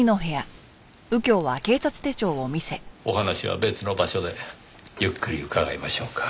お話は別の場所でゆっくり伺いましょうか。